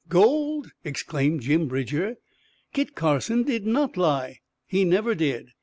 "Gold!" exclaimed Jim Bridger. "Kit Carson did not lie! He never did!"